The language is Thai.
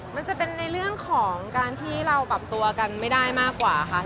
มันจะเป็นในเรื่องของการที่เราปรับตัวกันไม่ได้มากกว่าค่ะ